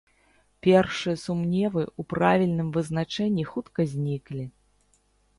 Першыя сумневы ў правільным вызначэнні хутка зніклі.